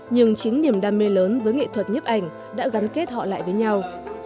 nhưng chính niềm đam mê lớn với nghệ thuật nhếp ảnh đã gắn kết họ lại với nhau